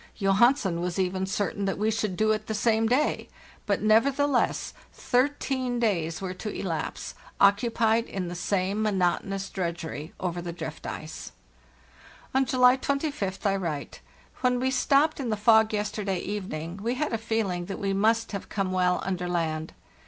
Johansen was even certain that we should do it the same day, but nevertheless thirteen days were to elapse, occupied in the same monotonous drudgery over the drift ice. On July 25th I write: "When we stopped in the fog yesterday evening we had a feeling that we must have come well under land.